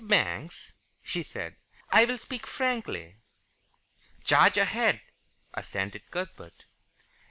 Banks," she said, "I will speak frankly." "Charge right ahead," assented Cuthbert.